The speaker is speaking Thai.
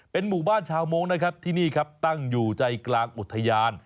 หมู่บ้านชาวโม้งนะครับที่นี่ครับตั้งอยู่ใจกลางอุทยาน